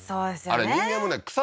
あれ人間もね草